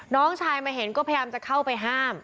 น้องชายมาเห็นก็พยายามจะเข้าไปห้าม